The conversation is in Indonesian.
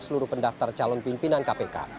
seluruh pendaftar calon pimpinan kpk